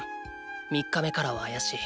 ３日目からは怪しい。